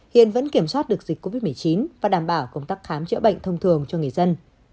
hiện vẫn kiểm soát được dịch covid một mươi chín và đảm bảo công tác khám chữa bệnh thông thường cho người dân